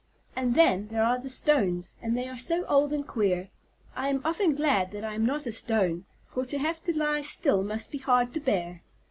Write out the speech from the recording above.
And then, there are the stones, and they are so old and queer. I am often glad that I am not a stone, for to have to lie still must be hard to bear.